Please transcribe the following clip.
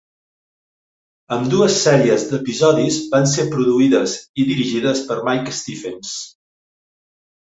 Ambdues sèries d'episodis van ser produïdes i dirigides per Mike Stephens.